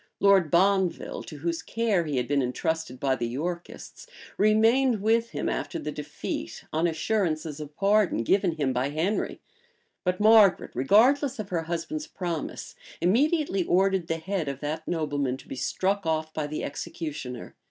Lord Bonville, to whose care he had been intrusted by the Yorkists, remained with him after the defeat, on assurances of pardon given him by Henry: but Margaret, regardless of her husband's promise, immediately ordered the head of that nobleman to be struck off by the executioner.